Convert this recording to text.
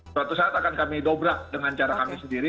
suatu saat akan kami dobrak dengan cara kami sendiri